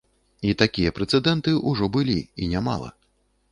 І такія прэцэдэнты ўжо былі, і нямала.